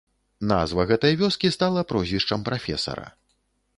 Назва гэтай вёскі стала прозвішчам прафесара.